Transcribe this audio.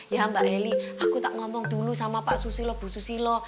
ya mbak eli aku tak ngomong dulu sama pak susilo bu susilo